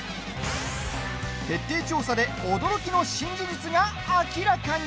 徹底調査で驚きの新事実が明らかに。